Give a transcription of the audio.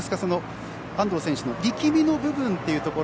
安藤選手の力みの部分というところ